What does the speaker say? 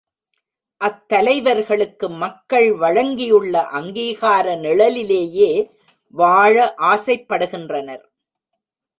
அத்தலைவர்களுக்கு மக்கள் வழங்கியுள்ள அங்கீகார நிழலிலேயே வாழ ஆசைப்படுகின்றனர்.